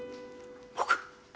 僕？